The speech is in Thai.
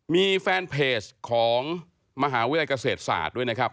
มีแฟนเพจของมหาวิทยาลัยเกษตรศาสตร์ด้วยนะครับ